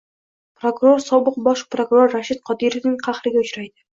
prokuror sobiq bosh prokuror Rashid Qodirovning qahriga uchraydi.